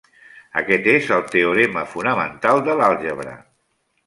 Aquest és el teorema fonamental de l'àlgebra.